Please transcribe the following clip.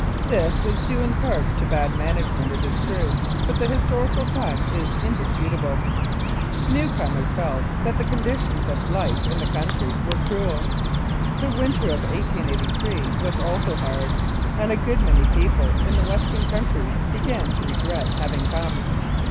This was due in part to bad management, it is true, but the historical fact is indisputable. New comers felt that the conditions of life in the country were cruel. The winter of 1883 was also hard, and a good many people in the western country began to regret having come.